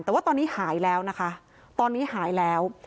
แต่ว่าตอนนี้หายแล้วนะคะตอนนี้หายแล้ว